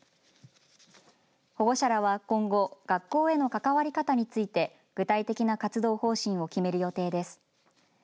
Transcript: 保護者らは今後学校への関わり方について具体的な活動方針を決める予定です。